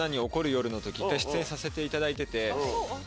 させていただいてて。